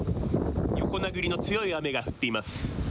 横殴りの強い雨が降っています。